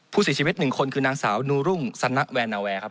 ผู้เสียชีวิตหนึ่งคนคือนางสาวนูรุ่งสนะแวนนาแวร์ครับ